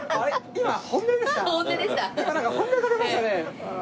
今なんか本音が出ましたね。